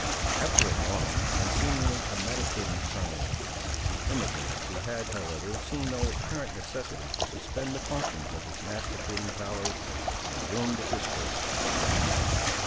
After a long, and, seemingly, a meditating silence, the emigrant, who had, however, seen no apparent necessity to suspend the functions of his masticating powers, resumed the discourse.